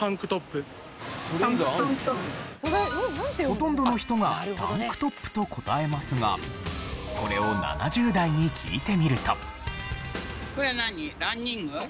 ほとんどの人がタンクトップと答えますがこれを７０代に聞いてみると。